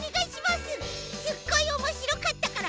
すっごいおもしろかったから。